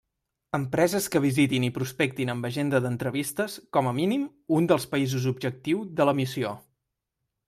Empreses que visitin i prospectin amb agenda d'entrevistes, com a mínim, un dels països objectiu de la missió.